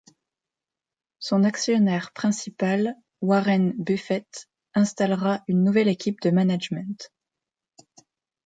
Son actionnaire principal, Warren Buffett, installera une nouvelle équipe de management.